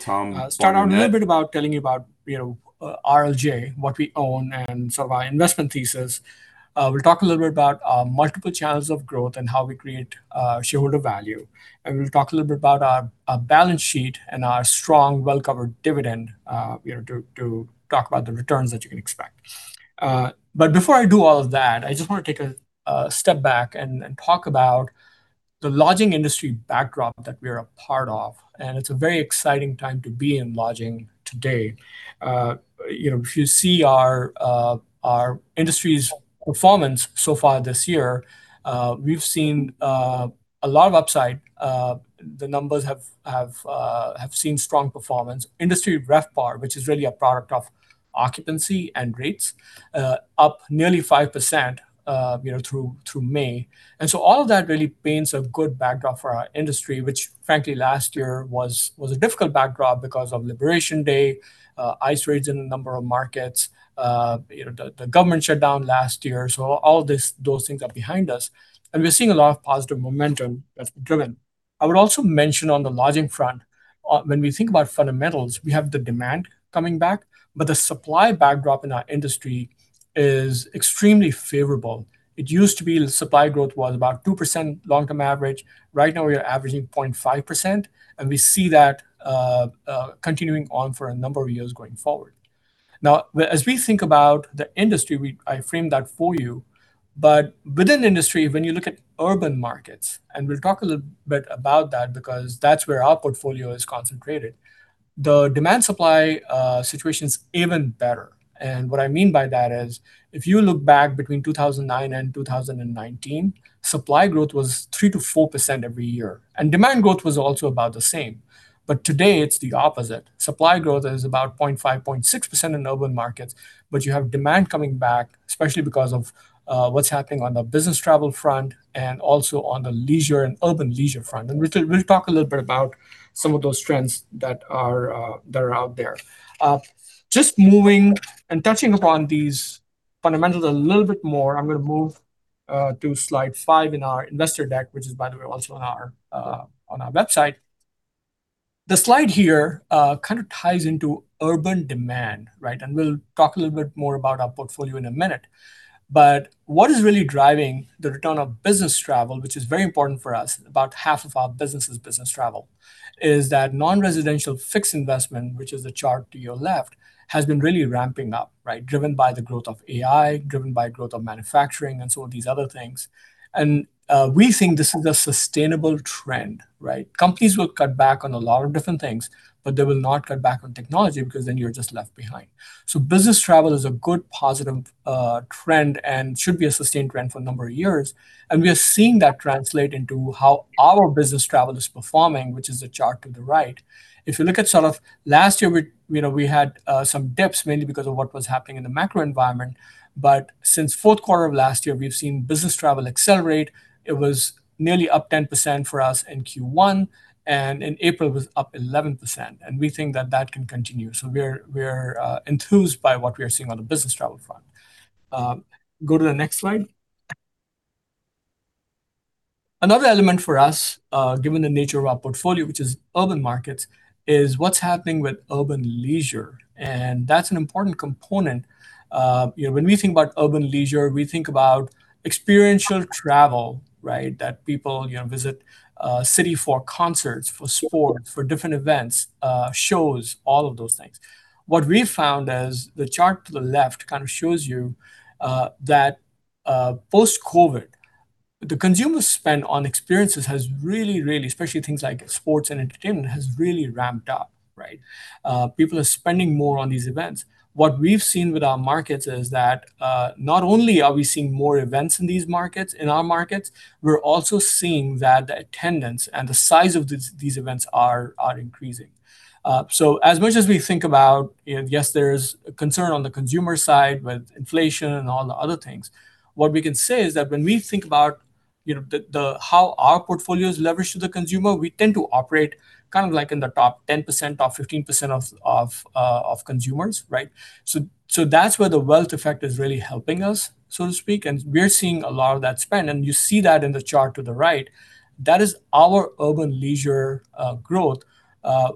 Tom Bardenett Start out a little bit about telling you about RLJ, what we own, and our investment thesis. We'll talk a little bit about our multiple channels of growth and how we create shareholder value. We'll talk a little bit about our balance sheet and our strong, well-covered dividend to talk about the returns that you can expect. Before I do all of that, I just want to take a step back and talk about the lodging industry backdrop that we are a part of, and it's a very exciting time to be in lodging today. If you see our industry's performance so far this year, we've seen a lot of upside. The numbers have seen strong performance. Industry RevPAR, which is really a product of occupancy and rates, up nearly 5% through May. All of that really paints a good backdrop for our industry, which frankly, last year was a difficult backdrop because of Liberation Day, ICE raids in a number of markets, the government shutdown last year. All those things are behind us, and we're seeing a lot of positive momentum that's driven. I would also mention on the lodging front, when we think about fundamentals, we have the demand coming back, but the supply backdrop in our industry is extremely favorable. It used to be the supply growth was about 2% long-term average. Right now, we are averaging 0.5%, and we see that continuing on for a number of years going forward. As we think about the industry, I framed that for you. Within the industry, when you look at urban markets, and we'll talk a little bit about that because that's where our portfolio is concentrated. The demand-supply situation is even better. What I mean by that is if you look back between 2009 and 2019, supply growth was 3%-4% every year, and demand growth was also about the same. Today, it's the opposite. Supply growth is about 0.5%, 0.6% in urban markets, but you have demand coming back, especially because of what's happening on the business travel front and also on the leisure and urban leisure front. We'll talk a little bit about some of those trends that are out there. Just moving and touching upon these fundamentals a little bit more, I'm going to move to slide five in our investor deck, which is, by the way, also on our website. The slide here kind of ties into urban demand. We'll talk a little bit more about our portfolio in a minute. What is really driving the return of business travel, which is very important for us, about half of our business is business travel, is that non-residential fixed investment, which is the chart to your left, has been really ramping up. Driven by the growth of AI, driven by growth of manufacturing, and some of these other things. We think this is a sustainable trend. Companies will cut back on a lot of different things, but they will not cut back on technology because then you're just left behind. Business travel is a good positive trend and should be a sustained trend for a number of years, and we are seeing that translate into how our business travel is performing, which is the chart to the right. If you look at last year, we had some dips, mainly because of what was happening in the macro environment. Since fourth quarter of last year, we've seen business travel accelerate. It was nearly up 10% for us in Q1, and in April it was up 11%, and we think that that can continue. We're enthused by what we are seeing on the business travel front. Go to the next slide. Another element for us, given the nature of our portfolio, which is urban markets, is what's happening with urban leisure, and that's an important component. When we think about urban leisure, we think about experiential travel. That people visit a city for concerts, for sports, for different events, shows, all of those things. What we've found is the chart to the left kind of shows you that post-COVID, the consumer spend on experiences has really, especially things like sports and entertainment, has really ramped up. People are spending more on these events. What we've seen with our markets is that, not only are we seeing more events in our markets, we're also seeing that the attendance and the size of these events are increasing. As much as we think about, yes, there's a concern on the consumer side with inflation and all the other things, what we can say is that when we think about how our portfolio is leveraged to the consumer, we tend to operate in the top 10% or 15% of consumers. That's where the wealth effect is really helping us, so to speak, and we're seeing a lot of that spend, and you see that in the chart to the right. That is our urban leisure growth,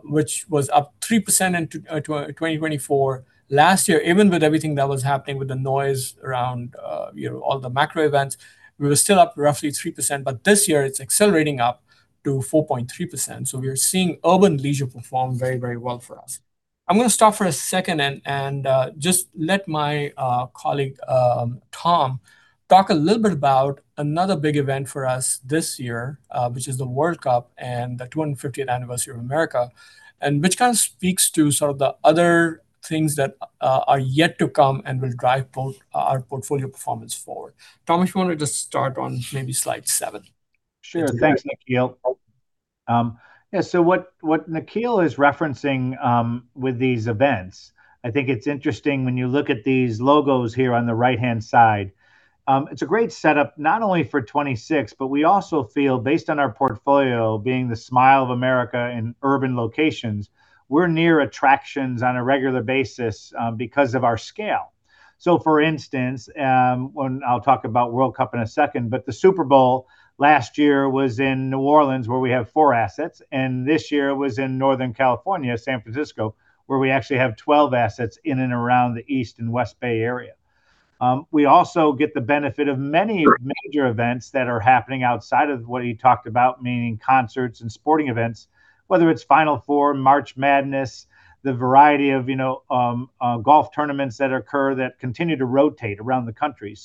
which was up 3% in 2024. Last year, even with everything that was happening with the noise around all the macro events, we were still up roughly 3%, but this year it's accelerating up to 4.3%. We are seeing urban leisure perform very well for us. I'm going to stop for a second and just let my colleague, Tom, talk a little bit about another big event for us this year, which is the World Cup and the 250th anniversary of America, which kind of speaks to the other things that are yet to come and will drive our portfolio performance forward. Tom, if you want to just start on maybe slide seven. Thanks, Nikhil. What Nikhil is referencing with these events, I think it's interesting when you look at these logos here on the right-hand side. It's a great setup not only for 2026, but we also feel, based on our portfolio being the Smile of America in urban locations, we're near attractions on a regular basis because of our scale. For instance, and I'll talk about World Cup in a second, but the Super Bowl last year was in New Orleans where we have four assets, and this year it was in Northern California, San Francisco, where we actually have 12 assets in and around the East and West Bay Area. We also get the benefit of many major events that are happening outside of what he talked about, meaning concerts and sporting events, whether it's Final Four, March Madness, the variety of golf tournaments that occur that continue to rotate around the country.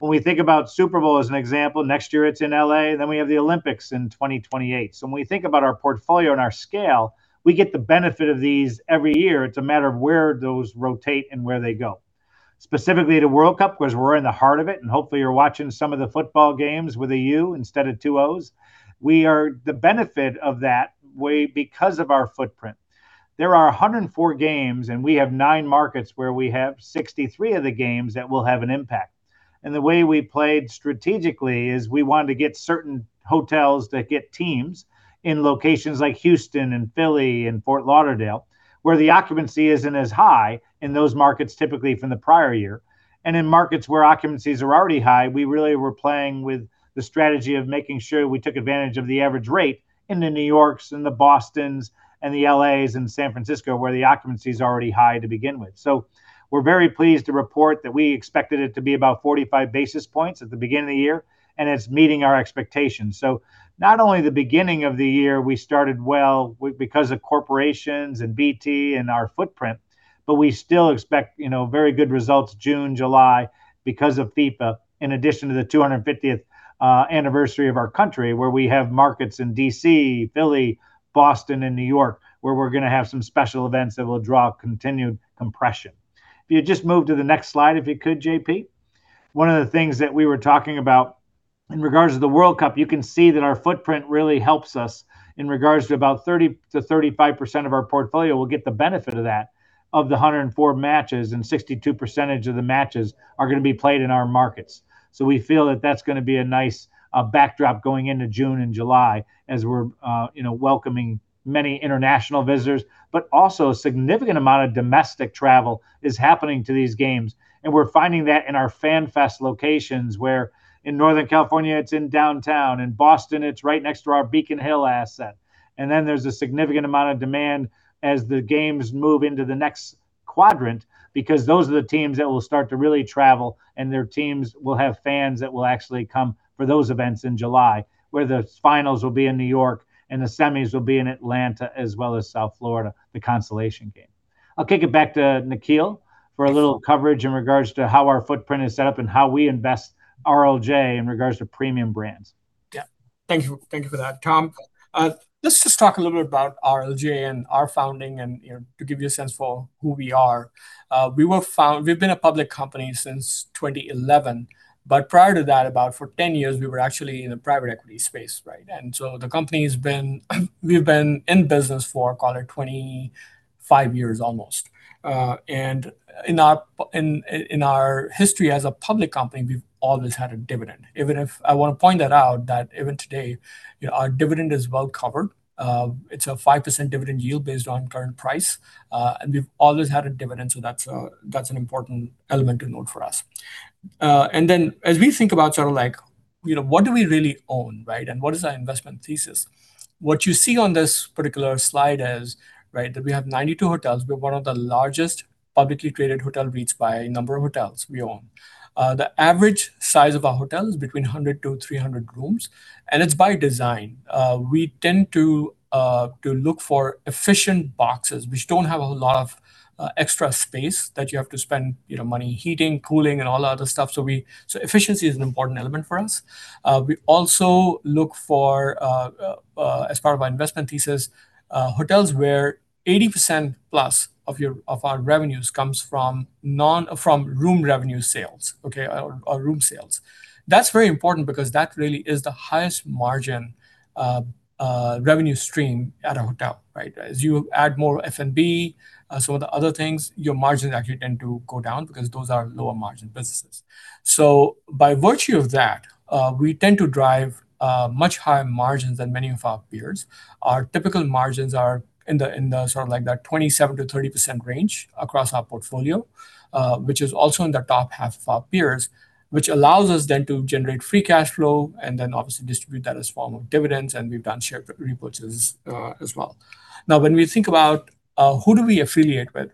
When we think about Super Bowl as an example, next year it's in L.A., then we have the Olympics in 2028. When we think about our portfolio and our scale, we get the benefit of these every year. It's a matter of where those rotate and where they go. Specifically, the World Cup, because we're in the heart of it, and hopefully you're watching some of the football games with a U instead of two Os. We are the benefit of that because of our footprint. There are 104 games, we have nine markets where we have 63 of the games that will have an impact. The way we played strategically is we wanted to get certain hotels that get teams in locations like Houston and Philly and Fort Lauderdale, where the occupancy isn't as high in those markets typically from the prior year. In markets where occupancies are already high, we really were playing with the strategy of making sure we took advantage of the average rate in the New Yorks and the Bostons and the L.A.s and San Francisco, where the occupancy is already high to begin with. We're very pleased to report that we expected it to be about 45 basis points at the beginning of the year, and it's meeting our expectations. Not only the beginning of the year, we started well because of corporations and BT and our footprint, but we still expect very good results June, July, because of FIFA, in addition to the 250th anniversary of our country, where we have markets in D.C., Philly, Boston, and New York, where we're going to have some special events that will draw continued compression. If you just move to the next slide, if you could, JP. One of the things that we were talking about in regards to the World Cup, you can see that our footprint really helps us in regards to about 30%-35% of our portfolio will get the benefit of that, of the 104 matches, and 62% of the matches are going to be played in our markets. We feel that that's going to be a nice backdrop going into June and July as we're welcoming many international visitors. Also a significant amount of domestic travel is happening to these games, and we're finding that in our Fan Fest locations, where in Northern California, it's in downtown. In Boston, it's right next to our Beacon Hill asset. There's a significant amount of demand as the games move into the next quadrant, because those are the teams that will start to really travel, and their teams will have fans that will actually come for those events in July, where the finals will be in New York and the semis will be in Atlanta, as well as South Florida, the consolation game. I'll kick it back to Nikhil for a little coverage in regards to how our footprint is set up and how we invest RLJ in regards to premium brands. Thank you for that, Tom. Let's just talk a little bit about RLJ and our founding and to give you a sense for who we are. We've been a public company since 2011, but prior to that, about for 10 years, we were actually in the private equity space. The company, we've been in business for, call it, 25 years almost. In our history as a public company, we've always had a dividend. I want to point that out that even today, our dividend is well covered. It's a 5% dividend yield based on current price. We've always had a dividend, so that's an important element to note for us. As we think about what do we really own, and what is our investment thesis? What you see on this particular slide is that we have 92 hotels. We're one of the largest publicly traded hotel REITs by number of hotels we own. The average size of our hotel is between 100-300 rooms, and it's by design. We tend to look for efficient boxes, which don't have a lot of extra space that you have to spend money heating, cooling, and all other stuff. Efficiency is an important element for us. We also look for, as part of our investment thesis, hotels where 80%+ of our revenues comes from room revenue sales or room sales. That's very important because that really is the highest margin revenue stream at a hotel. As you add more F&B, some of the other things, your margins actually tend to go down because those are lower margin businesses. By virtue of that, we tend to drive much higher margins than many of our peers. Our typical margins are in the 27%-30% range across our portfolio, which is also in the top half of our peers, which allows us then to generate free cash flow, and then obviously distribute that as form of dividends, and we've done share repurchases as well. When we think about who do we affiliate with.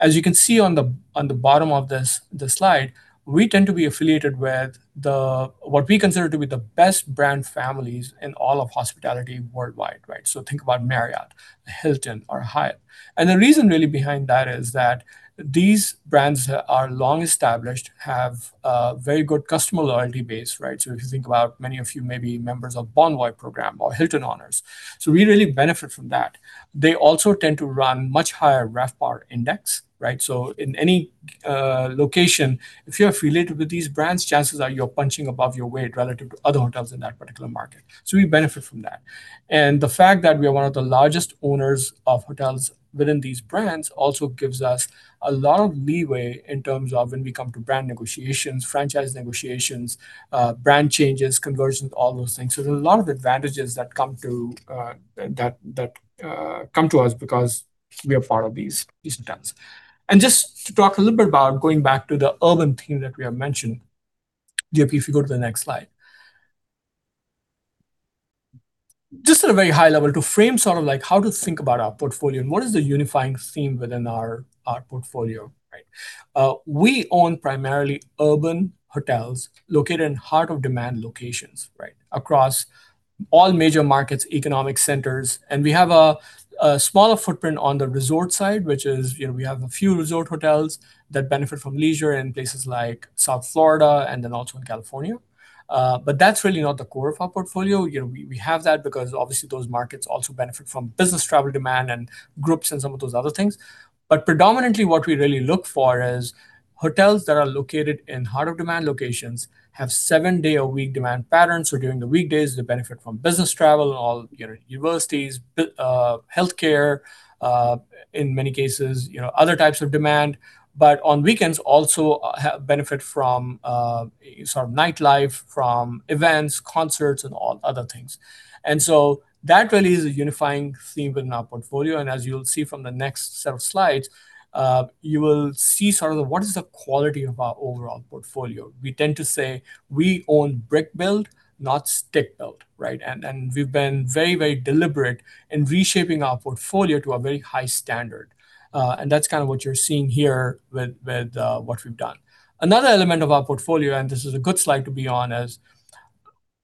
As you can see on the bottom of the slide, we tend to be affiliated with what we consider to be the best brand families in all of hospitality worldwide. Think about Marriott, Hilton, or Hyatt. The reason really behind that is that these brands that are long established have a very good customer loyalty base. If you think about many of you may be members of Bonvoy program or Hilton Honors. We really benefit from that. They also tend to run much higher RevPAR index. In any location, if you're affiliated with these brands, chances are you're punching above your weight relative to other hotels in that particular market. We benefit from that. The fact that we are one of the largest owners of hotels within these brands also gives us a lot of leeway in terms of when we come to brand negotiations, franchise negotiations, brand changes, conversions, all those things. There's a lot of advantages that come to us because we are part of these brands. Just to talk a little bit about going back to the urban theme that we have mentioned. JP, if you go to the next slide. Just at a very high level to frame how to think about our portfolio and what is the unifying theme within our portfolio. We own primarily urban hotels located in heart-of-demand locations across all major markets, economic centers. We have a smaller footprint on the resort side, which is we have a few resort hotels that benefit from leisure in places like South Florida and then also in California. That's really not the core of our portfolio. We have that because obviously those markets also benefit from business travel demand and groups and some of those other things. Predominantly what we really look for is hotels that are located in heart-of-demand locations, have seven-day-a-week demand patterns. During the weekdays, they benefit from business travel, all universities, healthcare, in many cases, other types of demand. On weekends also benefit from nightlife, from events, concerts, and all other things. That really is a unifying theme within our portfolio. As you'll see from the next set of slides, you will see what is the quality of our overall portfolio. We tend to say we own brick-built, not stick-built. We've been very deliberate in reshaping our portfolio to a very high standard. That's what you're seeing here with what we've done. Another element of our portfolio, and this is a good slide to be on, is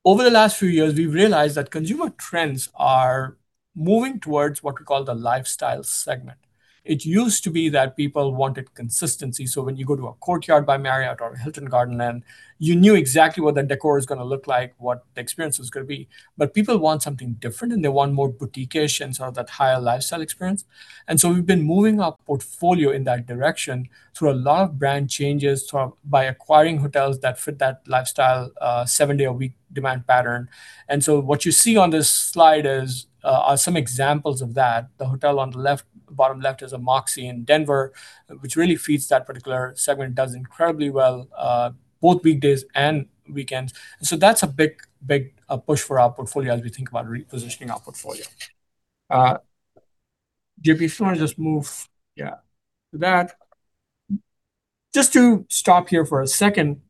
over the last few years, we've realized that consumer trends are moving towards what we call the lifestyle segment. It used to be that people wanted consistency. When you go to a Courtyard by Marriott or a Hilton Garden Inn, you knew exactly what the decor is going to look like, what the experience was going to be. People want something different, and they want more boutiquish and that higher lifestyle experience. We've been moving our portfolio in that direction through a lot of brand changes by acquiring hotels that fit that lifestyle, seven-day-a-week demand pattern. What you see on this slide are some examples of that. The hotel on the bottom left is a Moxy in Denver, which really feeds that particular segment. It does incredibly well, both weekdays and weekends. That's a big push for our portfolio as we think about repositioning our portfolio. J.P., if you want to just Yeah to that. Just to stop here for a second,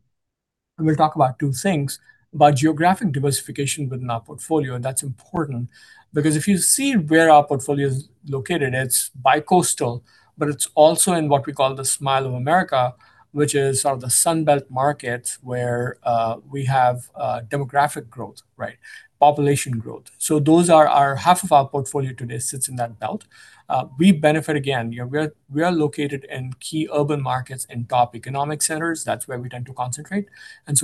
I'm going to talk about two things. About geographic diversification within our portfolio, that's important because if you see where our portfolio's located, it's bi-coastal, but it's also in what we call the Smile of America, which is the Sun Belt markets where we have demographic growth. Population growth. Those are our half of our portfolio today sits in that belt. We benefit again. We are located in key urban markets in top economic centers. That's where we tend to concentrate.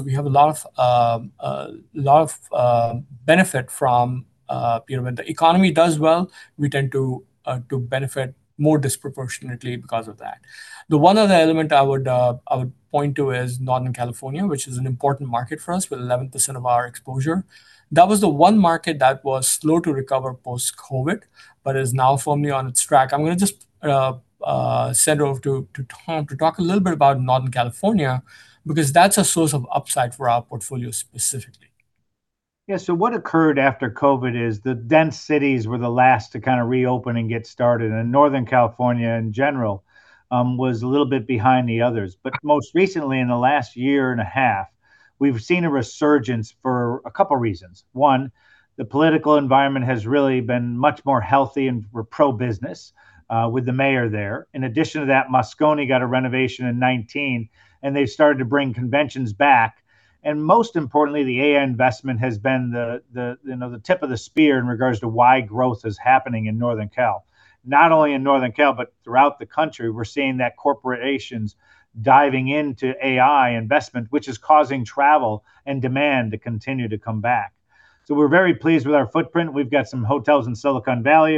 We have a lot of benefit from when the economy does well, we tend to benefit more disproportionately because of that. The one other element I would point to is Northern California, which is an important market for us with 11% of our exposure. That was the one market that was slow to recover post-COVID, but is now firmly on its track. I'm going to just send over to Tom to talk a little bit about Northern California, because that's a source of upside for our portfolio specifically. What occurred after COVID is the dense cities were the last to kind of reopen and get started, and Northern California, in general, was a little bit behind the others. Most recently, in the last year and a half, we've seen a resurgence for a couple of reasons. One, the political environment has really been much more healthy, and we're pro-business with the mayor there. In addition to that, Moscone got a renovation in 2019, and they started to bring conventions back. Most importantly, the AI investment has been the tip of the spear in regards to why growth is happening in Northern Cal. Not only in Northern Cal, but throughout the country, we're seeing that corporations diving into AI investment, which is causing travel and demand to continue to come back. We're very pleased with our footprint. We've got some hotels in Silicon Valley.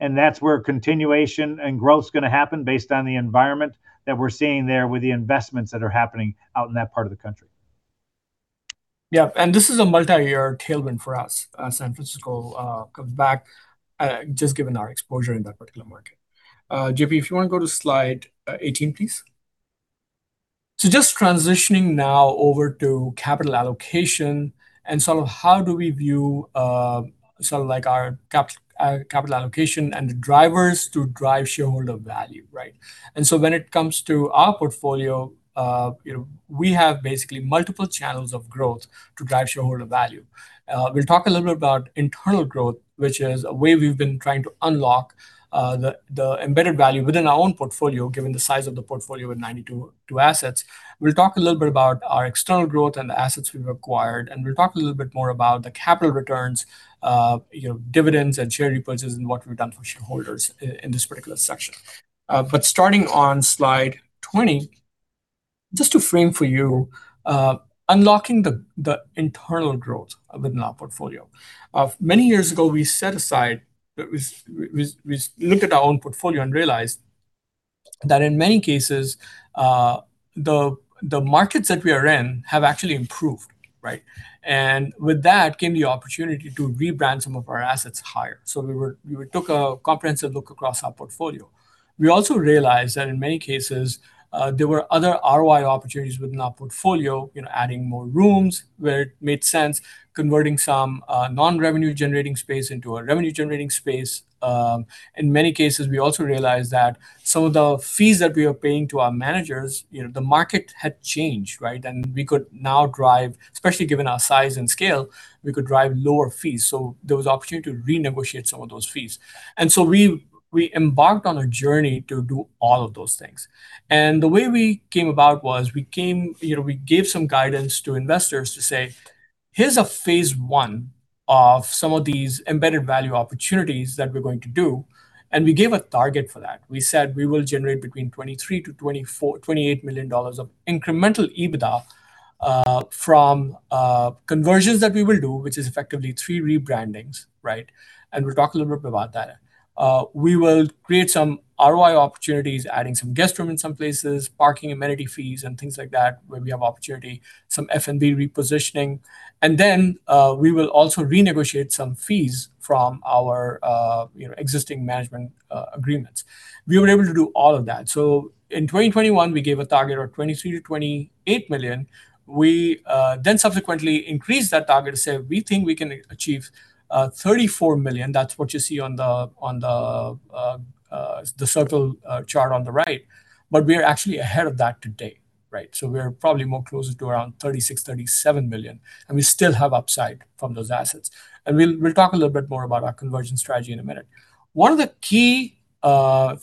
This is a multi-year tailwind for us, San Francisco comeback, just given our exposure in that particular market. JP, if you want to go to slide 18, please. Just transitioning now over to capital allocation and how do we view our capital allocation and the drivers to drive shareholder value. When it comes to our portfolio, we have basically multiple channels of growth to drive shareholder value. We'll talk a little bit about internal growth, which is a way we've been trying to unlock we looked at our own portfolio and realized that in many cases, the markets that we are in have actually improved. Right? With that came the opportunity to rebrand some of our assets higher. We took a comprehensive look across our portfolio. We also realized that in many cases, there were other ROI opportunities within our portfolio, adding more rooms where it made sense, converting some non-revenue generating space into a revenue generating space. In many cases, we also realized that some of the fees that we were paying to our managers, the market had changed, right? We could now drive, especially given our size and scale, we could drive lower fees. There was opportunity to renegotiate some of those fees. We embarked on a journey to do all of those things. The way we came about was we gave some guidance to investors to say, "Here's a phase one of some of these embedded value opportunities that we're going to do," and we gave a target for that. We said we will generate between $23 million-$28 million of incremental EBITDA from conversions that we will do, which is effectively three rebrandings. Right. We'll talk a little bit about that. We will create some ROI opportunities, adding some guest rooms in some places, parking amenity fees, and things like that where we have opportunity, some F&B repositioning. We will also renegotiate some fees from our existing management agreements. We were able to do all of that. In 2021, we gave a target of $23 million-$28 million. We then subsequently increased that target to say we think we can achieve $34 million. That's what you see on the circle chart on the right. We are actually ahead of that today. Right. We are probably more closer to around $36 million, $37 million, and we still have upside from those assets. We'll talk a little bit more about our conversion strategy in a minute. One of the key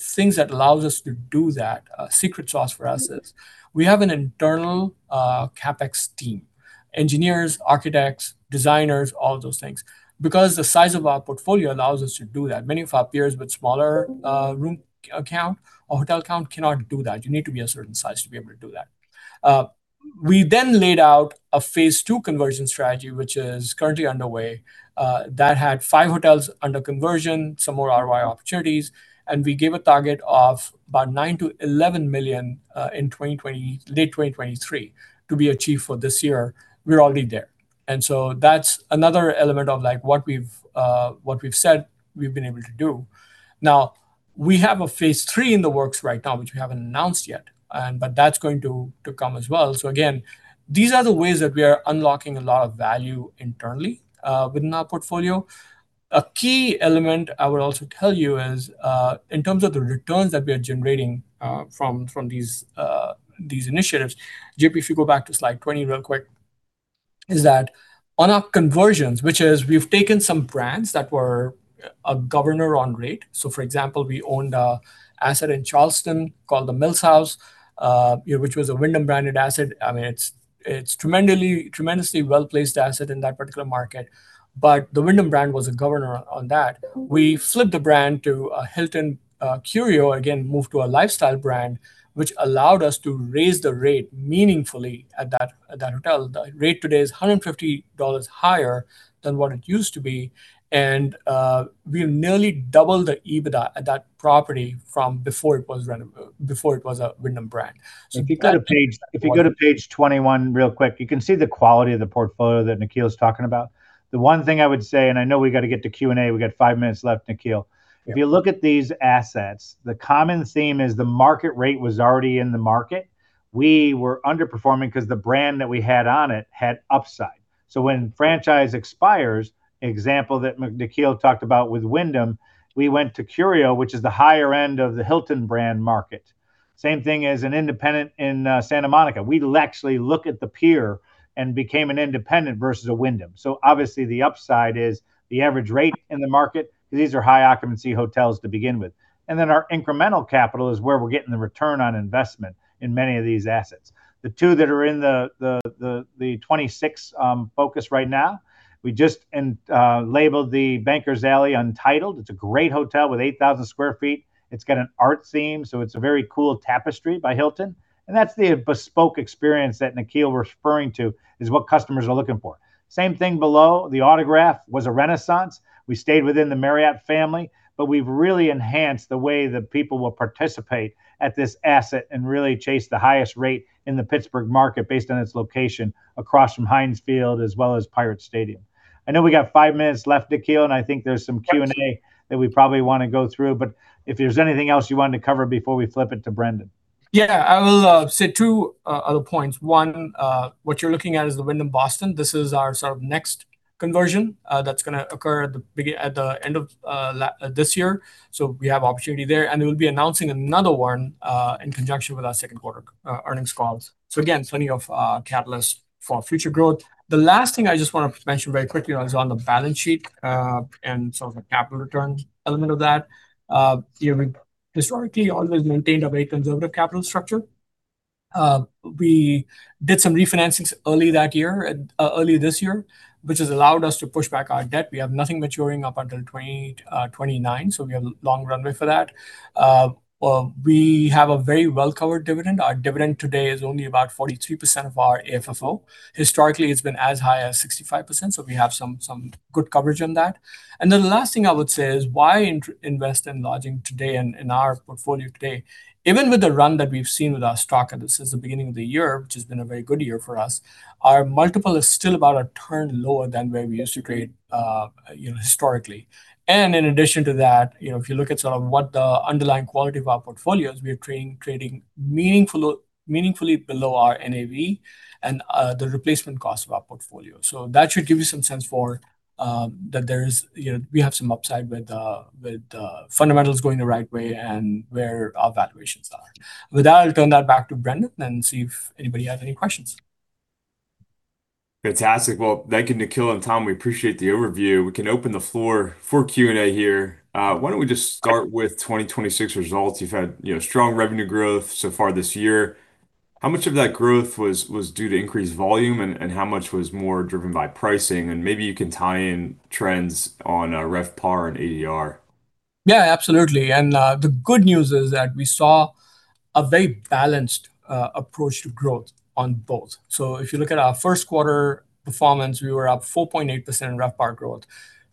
things that allows us to do that, a secret sauce for us is, we have an internal CapEx team. Engineers, architects, designers, all of those things. Because the size of our portfolio allows us to do that. Many of our peers with smaller room account or hotel account cannot do that. You need to be a certain size to be able to do that. We laid out a phase two conversion strategy, which is currently underway, that had five hotels under conversion, some more ROI opportunities, and we gave a target of about $9 million-$11 million in late 2023 to be achieved for this year. We're already there. That's another element of what we've said we've been able to do. We have a phase three in the works right now, which we haven't announced yet, but that's going to come as well. Again, these are the ways that we are unlocking a lot of value internally within our portfolio. A key element I would also tell you is, in terms of the returns that we are generating from these initiatives, JP, if you go back to slide 20 real quick, is that on our conversions, which is we've taken some brands that were a governor on rate. For example, we owned an asset in Charleston called The Mills House, which was a Wyndham branded asset. It's tremendously well-placed asset in that particular market, but the Wyndham brand was a governor on that. We flipped the brand to a Hilton Curio, again, moved to a lifestyle brand, which allowed us to raise the rate meaningfully at that hotel. The rate today is $150 higher than what it used to be, and we nearly doubled the EBITDA at that property from before it was a Wyndham brand. If you go to page- If you go to page 21 real quick, you can see the quality of the portfolio that Nikhil's talking about. The one thing I would say, I know we got to get to Q&A, we got five minutes left, Nikhil Yeah. If you look at these assets, the common theme is the market rate was already in the market. We were underperforming because the brand that we had on it had upside. When franchise expires, example that Nikhil talked about with Wyndham, we went to Curio, which is the higher end of the Hilton brand market. Same thing as an independent in Santa Monica. We actually look at the pier and became an independent versus a Wyndham. Obviously the upside is the average rate in the market, because these are high occupancy hotels to begin with. Then our incremental capital is where we're getting the return on investment in many of these assets. The two that are in the 2026 focus right now, we just labeled the Bankers Alley Untitled. It's a great hotel with 8,000 sq ft. It's got an art theme, so it's a very cool Tapestry by Hilton. That's the bespoke experience that Nikhil referring to is what customers are looking for. Same thing below, The Autograph was a Renaissance. We stayed within the Marriott family, but we've really enhanced the way that people will participate at this asset and really chase the highest rate in the Pittsburgh market based on its location across from Heinz Field as well as Pirate Stadium. I know we got five minutes left, Nikhil, I think there's some Q&A that we probably want to go through, but if there's anything else you wanted to cover before we flip it to Brendan. Yeah. I will say two other points. One, what you're looking at is the Wyndham Boston. This is our next conversion that's going to occur at the end of this year. We have opportunity there, and we'll be announcing another one in conjunction with our second quarter earnings calls. Again, plenty of catalysts for future growth. The last thing I just want to mention very quickly is on the balance sheet, and the capital returns element of that. Historically, always maintained a very conservative capital structure. We did some refinancings early this year, which has allowed us to push back our debt. We have nothing maturing up until 2028, 2029, so we have a long runway for that. We have a very well-covered dividend. Our dividend today is only about 43% of our AFFO. Historically, it's been as high as 65%, so we have some good coverage on that. The last thing I would say is why invest in lodging today and in our portfolio today? Even with the run that we've seen with our stock since the beginning of the year, which has been a very good year for us, our multiple is still about a turn lower than where we used to trade historically. In addition to that, if you look at what the underlying quality of our portfolio is, we are trading meaningfully below our NAV and the replacement cost of our portfolio. That should give you some sense that we have some upside with fundamentals going the right way and where our valuations are. With that, I'll turn that back to Brendan and see if anybody has any questions. Fantastic. Well, thank you, Nikhil and Tom, we appreciate the overview. We can open the floor for Q&A here. Why don't we just start with 2026 results. You've had strong revenue growth so far this year. How much of that growth was due to increased volume, and how much was more driven by pricing? Maybe you can tie in trends on RevPAR and ADR. Yeah, absolutely. The good news is that we saw a very balanced approach to growth on both. If you look at our first quarter performance, we were up 4.8% in RevPAR growth.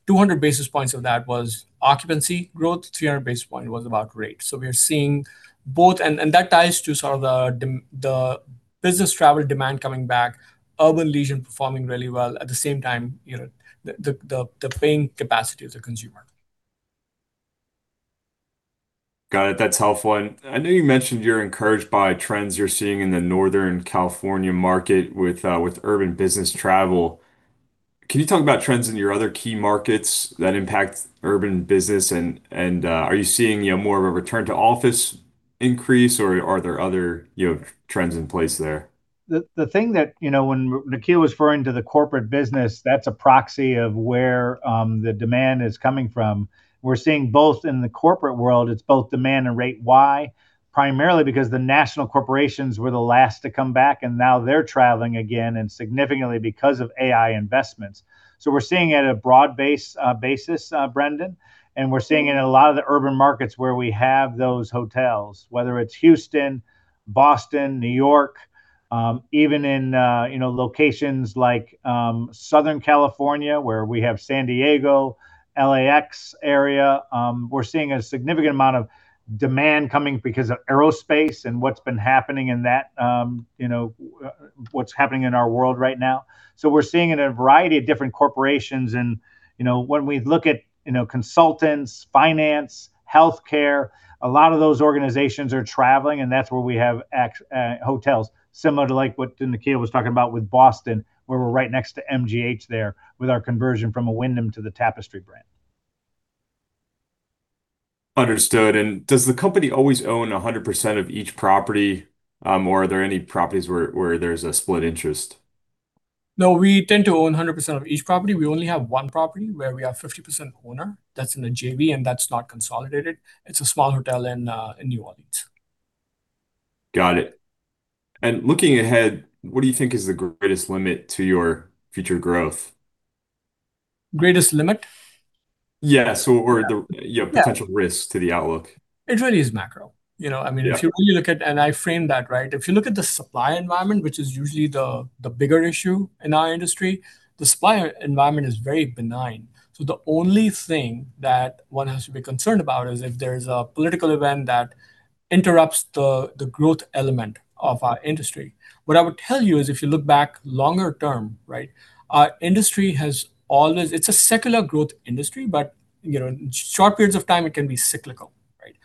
200 basis points of that was occupancy growth, 300 basis point was about rate. We are seeing both, and that ties to the business travel demand coming back, urban leisure performing really well, at the same time, the paying capacity of the consumer. Got it. That's a helpful one. I know you mentioned you're encouraged by trends you're seeing in the Northern California market with urban business travel. Can you talk about trends in your other key markets that impact urban business? Are you seeing more of a return to office increase or are there other trends in place there? The thing that when Nikhil was referring to the corporate business, that's a proxy of where the demand is coming from. We're seeing both in the corporate world, it's both demand and rate Y, primarily because the national corporations were the last to come back, and now they're traveling again, and significantly because of AI investments. We're seeing it at a broad basis, Brendan, and we're seeing it in a lot of the urban markets where we have those hotels, whether it's Houston, Boston, New York. Even in locations like Southern California, where we have San Diego, LAX area, we're seeing a significant amount of demand coming because of aerospace and what's been happening in our world right now. We're seeing it in a variety of different corporations, and when we look at consultants, finance, healthcare, a lot of those organizations are traveling, and that's where we have hotels. Similar to what Nikhil was talking about with Boston, where we're right next to MGH there with our conversion from a Wyndham to the Tapestry brand. Understood. Does the company always own 100% of each property, or are there any properties where there's a split interest? No, we tend to own 100% of each property. We only have one property where we are 50% owner. That's in a JV, and that's not consolidated. It's a small hotel in New Orleans. Got it. Looking ahead, what do you think is the greatest limit to your future growth? Greatest limit? Yeah. Yeah Potential risk to the outlook. It really is macro. Yeah. If you look at, I framed that, right? If you look at the supply environment, which is usually the bigger issue in our industry, the supply environment is very benign. The only thing that one has to be concerned about is if there's a political event that interrupts the growth element of our industry. What I would tell you is if you look back longer term, right, our industry is a secular growth industry, but in short periods of time, it can be cyclical. Right?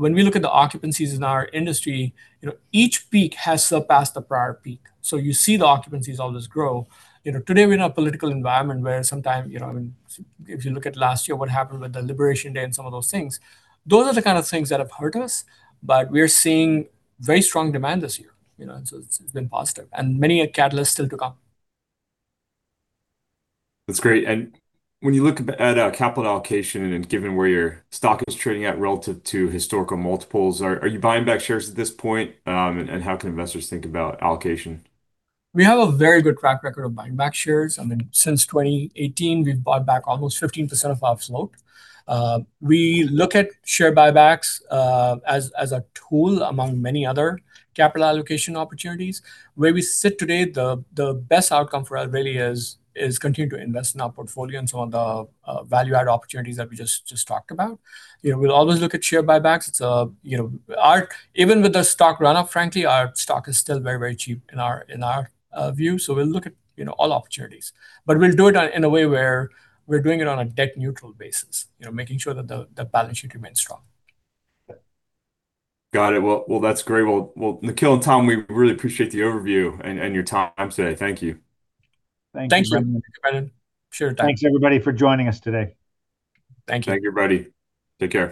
When we look at the occupancies in our industry, each peak has surpassed the prior peak. You see the occupancies always grow. Today we're in a political environment where sometimes, if you look at last year, what happened with the Liberation Day and some of those things, those are the kind of things that have hurt us. We're seeing very strong demand this year. It's been positive. Many a catalyst still to come. That's great. When you look at capital allocation, given where your stock is trading at relative to historical multiples, are you buying back shares at this point? How can investors think about allocation? We have a very good track record of buying back shares. Since 2018, we've bought back almost 15% of our float. We look at share buybacks as a tool among many other capital allocation opportunities. Where we sit today, the best outcome for us really is continue to invest in our portfolio and some of the value add opportunities that we just talked about. We'll always look at share buybacks. Even with the stock runoff, frankly, our stock is still very cheap in our view. We'll look at all opportunities. We'll do it in a way where we're doing it on a debt neutral basis, making sure that the balance sheet remains strong. Got it. Well, that's great. Well, Nikhil and Tom, we really appreciate the overview and your time today. Thank you. Thank you. Thanks, Brendan. Sure. Thanks everybody for joining us today. Thank you. Thank you, everybody. Take care.